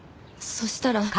そしたら。